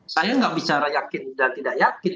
saya nggak bicara yakin dan tidak yakin